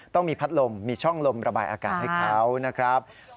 ต้องมีพัดลมมีช่องลมระบายอากาศให้เขานะครับ